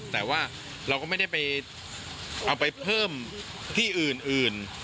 แต่ว่าเราก็ไม่ได้ไปเอาไปเพิ่มที่อื่น